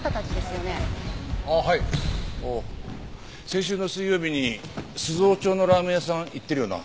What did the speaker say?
先週の水曜日に鈴尾町のラーメン屋さん行ってるよな？